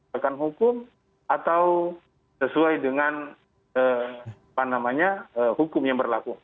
tekan hukum atau sesuai dengan hukum yang berlaku